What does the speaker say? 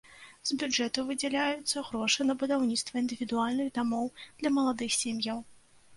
З бюджэту выдзяляюцца грошы на будаўніцтва індывідуальных дамоў для маладых сем'яў.